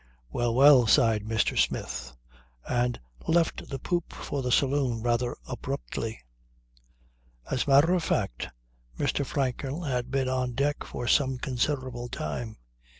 "Well, well," sighed Mr. Smith and left the poop for the saloon rather abruptly. As a matter of fact Mr. Franklin had been on deck for some considerable time.